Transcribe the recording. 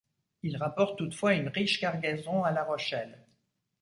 Il rapporte toutefois une riche cargaison à La Rochelle.